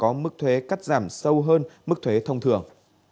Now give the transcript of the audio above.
có mức thuế cắt giảm sâu hơn mức thuế thông thường